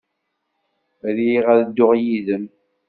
Riɣ ad dduɣ yid-m.